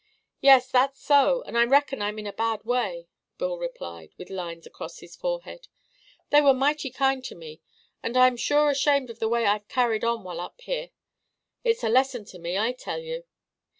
"Yes, that's so, and I reckon I'm in a bad way," Bill replied, with lines across his forehead. "They were mighty kind to me, and I'm sure ashamed of the way I've carried on while up here. It's a lesson to me, I tell you."